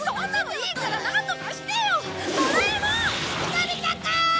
のび太くん！